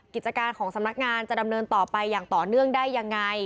กิจการของสำนักงานจะดำเนินต่อไปอย่างต่อเนื่องได้ยังไง